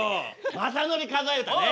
「雅紀数え歌」ね。